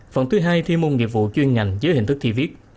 phần thứ hai thi môn nghiệp vụ chuyên ngành dưới hình thức thi viết